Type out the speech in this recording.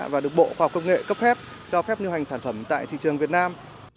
và được bộ khoa học công nghệ cấp phép cho phép lưu hành sản phẩm tại thị trường việt nam